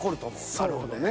なるほどね。